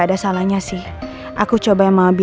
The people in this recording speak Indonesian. terima kasih mbak marina yang dibantuin